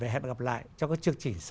và hẹn gặp lại trong các chương trình sau